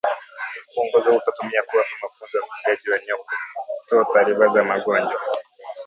Mwongozo huu utatumiwa kuwapa mafunzo wafugaji wa eneo kutoa taarifa za magonjwa